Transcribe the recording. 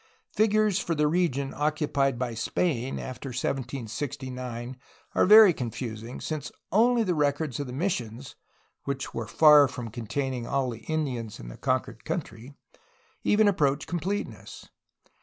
Figures for the region occupied by Spain after 1769 are very con fusing, since only the records of the missions (which were far from containing all of the Indians in the conquered country) even approach completeness.